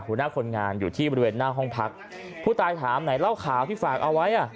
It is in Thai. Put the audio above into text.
หัวหน้าคนงานอยู่ที่บริเวณหน้าห้องพักผู้ตายถามไหนเหล้าขาวที่ฝากเอาไว้อ่ะ